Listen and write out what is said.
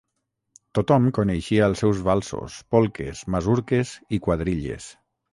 Tothom coneixia els seus valsos, polques, masurques i quadrilles.